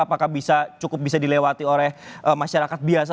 apakah bisa cukup bisa dilewati oleh masyarakat biasa